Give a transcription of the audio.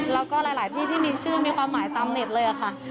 แล้วก็หลายที่ที่มีชื่อมีความหมายตามเน็ตเลยค่ะ